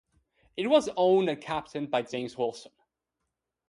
It was owned and captained by James Wilson.